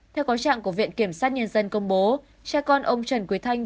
theo có trạng của viện kiểm sát nhân dân công bố cha con ông trần quý thanh